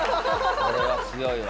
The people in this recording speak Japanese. これは強いわ。